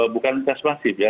bukan tes masif ya